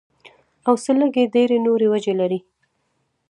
او څۀ لږې ډېرې نورې وجې وي